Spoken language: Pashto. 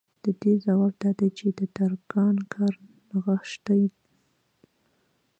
د دې ځواب دا دی چې د ترکاڼ کار نغښتی